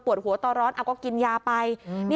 หัวต่อร้อนเอาก็กินยาไป